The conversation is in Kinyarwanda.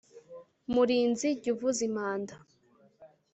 Murinzi, jy’ uvuza impanda,